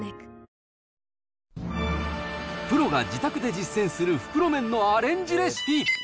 プロが自宅で実践する袋麺のアレンジレシピ。